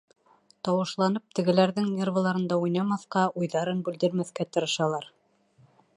Тауышланып тегеләрҙең нервыларында уйнамаҫҡа, уйҙарын бүлдермәҫкә тырышалар.